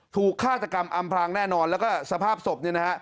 ฆาตกรรมอำพลางแน่นอนแล้วก็สภาพศพเนี่ยนะฮะ